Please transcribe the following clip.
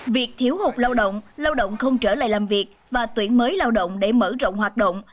việc thiếu hụt lao động lao động không trở lại làm việc và tuyển mới lao động để mở rộng hoạt động